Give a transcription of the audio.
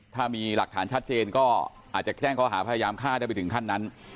ถ้ามีหลักฐานชัดเจนก็อาจจะแจ้งเขาหาพยายามฆ่าได้ไปถึงขั้นนั้น